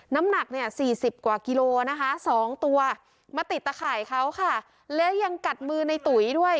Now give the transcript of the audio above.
น้ำหนักเนี่ยสี่สิบกว่ากิโลนะคะสองตัวมาติดตะข่ายเขาค่ะแล้วยังกัดมือในตุ๋ยด้วย